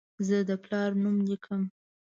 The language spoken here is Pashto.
زه د پلار نوم لیکم.